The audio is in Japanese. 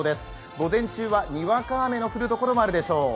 午前中はにわか雨の降るところもあるでしょう